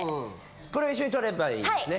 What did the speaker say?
これを一緒に撮ればいいんですね？